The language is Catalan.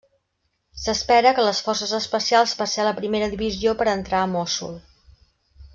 S'espera que les forces especials per ser la primera divisió per entrar a Mossul.